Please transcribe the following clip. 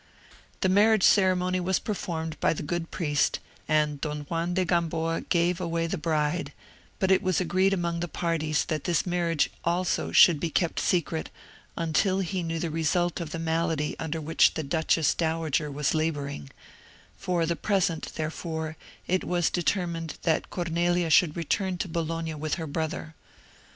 The marriage ceremony was performed by the good priest, and Don Juan de Gamboa gave away the bride; but it was agreed among the parties that this marriage also should be kept secret, until he knew the result of the malady under which the duchess dowager was labouring; for the present, therefore, it was determined that Cornelia should return to Bologna with her brother.